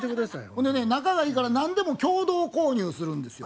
ほんでね仲がいいから何でも共同購入するんですよ。